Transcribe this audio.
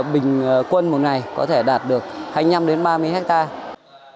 bình quân một ngày có thể đạt được hai mươi năm đến ba mươi hectare